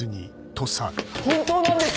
本当なんです！